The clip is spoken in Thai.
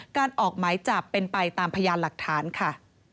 ออกหมายจับเป็นไปตามพยานหลักฐานค่ะ